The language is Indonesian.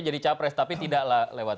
jadi calon presiden tapi tidak lewat